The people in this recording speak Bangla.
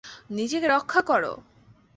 নিজেকে রক্ষা করো!